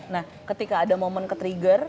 nah ketika ada momen ketrigger